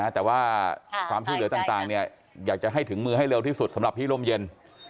แต่ว่าความช่วยเหลือต่างอยากจะให้ถึงมือให้เร็วที่สุดสำหรับพี่ร่มเย็น